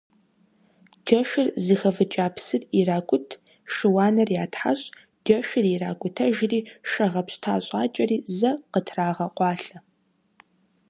Джэшыр зыхэвыкӀа псыр иракӀут, шыуаныр ятхьэщӀ, джэшыр иракӀутэжри, шэ гъэпщта щӀакӀэри, зэ къытрагъэкъуалъэ.